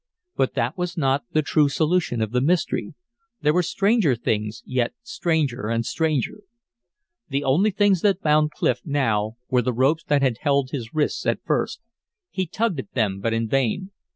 But that was not the true solution of the mystery; there were stranger things yet stranger and stranger. The only things that bound Clif now were the ropes that had held his wrists at first. He tugged at them, but in vain.